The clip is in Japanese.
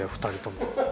２人とも。